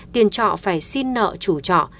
tiền trọ phải xin nợ chủ trọ